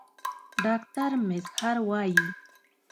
ډاکټر میزهر وايي